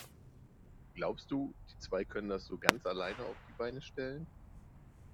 Glaubst du, die zwei können das so ganz alleine auf die Beine stellen?